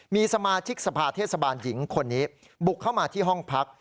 มีสมาชิกสภาเทศบาลหญิงคนนี้บุกเข้ามาที่ห้องพัก